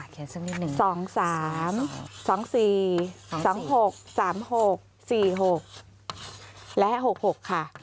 เขียนซักนิดหนึ่งครับ๒๒๒๒๔๒๖๓๖๔๖และ๖๖ค่ะ